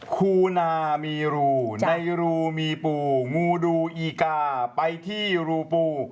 คูนามีรูในรูมีปูงูดูอีกาไปที่รูปู